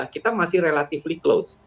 kita masih relatifly close